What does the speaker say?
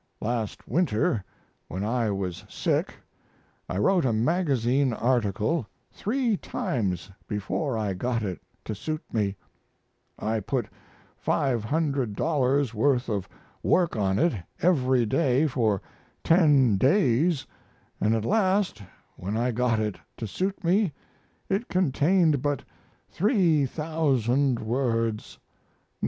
Last winter when I was sick I wrote a magazine article three times before I got it to suit me. I Put $500 worth of work on it every day for ten days, & at last when I got it to suit me it contained but 3,000 words $900.